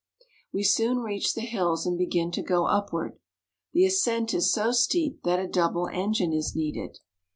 We soon reach the hills, and begin to go upward. The ascent is so steep that a double engine is needed.